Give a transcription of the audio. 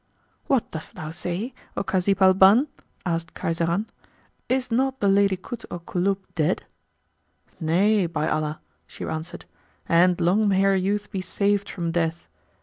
"What dost thou say, O Kazib al Ban;" asked Khayzaran, "is not the lady Kut al Kulub dead?" "Nay, by Allah!" she answered "and long may her youth be saved from death!